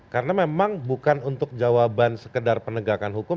karena memang bukan untuk jawaban sekedar penegakan hukum